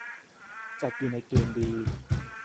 จัดอยู่ในเกณฑ์ดี